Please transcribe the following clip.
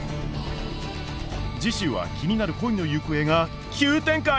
次週は気になる恋の行方が急展開！